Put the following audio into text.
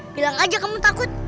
bilang aja kamu takut